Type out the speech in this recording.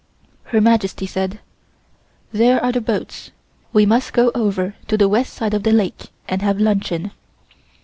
Her Majesty said: "There are the boats. We must go over to the west side of the lake and have luncheon."